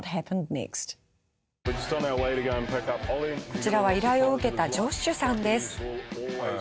こちらは依頼を受けたジョシュさんです。